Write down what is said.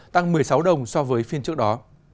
tăng một mươi sáu đồng so với phiên trước đó